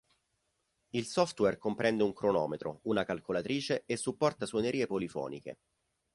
Il software comprende un cronometro, una calcolatrice e supporta suonerie polifoniche.